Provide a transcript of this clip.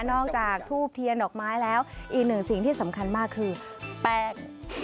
จากทูบเทียนดอกไม้แล้วอีกหนึ่งสิ่งที่สำคัญมากคือแปลก